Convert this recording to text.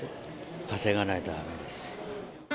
稼がないとだめです。